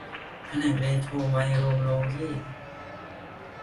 แผนกเรโทรไวโรโลยี